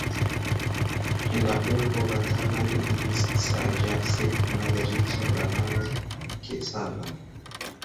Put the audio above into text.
En la urbo Vataman vivis saĝa, sed malriĉa bramano Kecava.